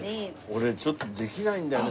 俺ちょっとできないんだよね。